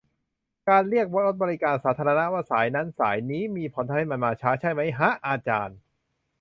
การเรียกรถบริการสาธารณะว่า 'สาย' นั้น 'สาย' นี้ มีผลทำให้มันมาช้า ใช่มั๊ยฮะอาจารย์ ?